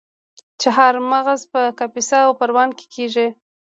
چهارمغز په کاپیسا او پروان کې کیږي.